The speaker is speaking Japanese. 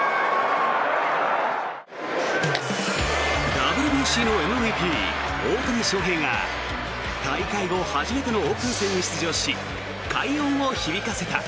ＷＢＣのＭＶＰ、大谷翔平が大会後初めてのオープン戦に出場し快音を響かせた。